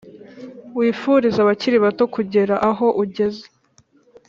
wifurize abakiri bato kugera aho ugeze